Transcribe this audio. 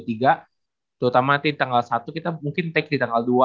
terutama di tanggal satu kita mungkin take di tanggal dua